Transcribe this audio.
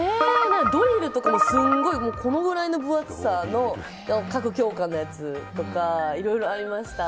ドリルとかもすごい分厚さの各教科のやつとかいろいろありました。